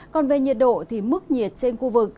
còn về nhiệt độ thì mức nhiệt trên khu vực